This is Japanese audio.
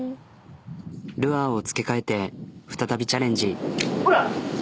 ルアーを付け替えて再びチャレンジ。